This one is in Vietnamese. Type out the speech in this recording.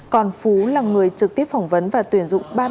còn phú là người trực tiếp phỏng vấn và tuyển dụng